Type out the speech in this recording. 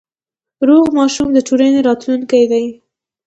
روغ ماشوم د ټولنې راتلونکی دی۔